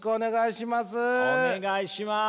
お願いします。